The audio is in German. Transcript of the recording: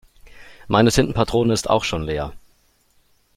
Meine Tintenpatrone ist auch schon leer.